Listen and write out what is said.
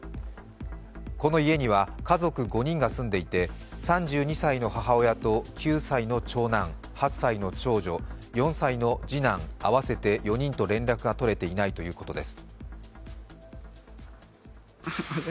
この家には、家族５人が住んでいて、３２歳の母親と９歳の長男、８歳の長女、４歳の次男、合わせて４人と連絡がとれていないということです。